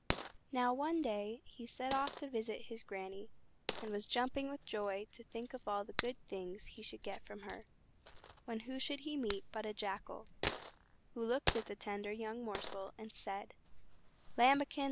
Now one day he set off to visit his Granny, and was jumping with joy to think of all the good things he should get from her, when who should he meet but a Jackal, who looked at the tender young morsel and said: "Lambikin!